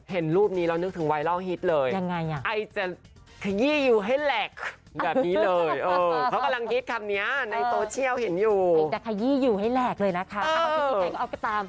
เห็นรูปนี้แล้ว